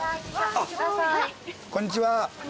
こんにちは。